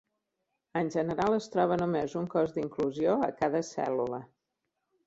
En general es troba només un cos d'inclusió a cada cèl·lula.